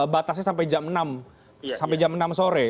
batasnya sampai jam enam sore